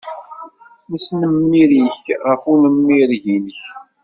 Nesnemmir-ik ɣef unmireg-nnek.